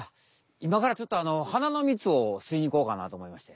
いまからちょっとはなのみつをすいにいこうかなとおもいまして。